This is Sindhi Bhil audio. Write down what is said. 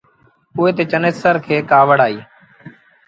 اُئي تي چنيسر کي ڪآوڙ آئيٚ۔